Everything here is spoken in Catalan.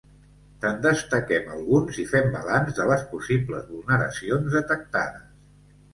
Te'n destaquem alguns i fem balanç de les possibles vulneracions detectades.